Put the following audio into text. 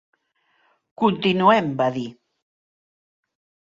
"Continuem" va dir.